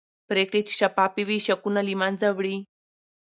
پرېکړې چې شفافې وي شکونه له منځه وړي